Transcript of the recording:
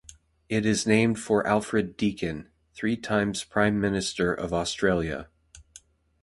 It is named for Alfred Deakin, three times Prime Minister of Australia.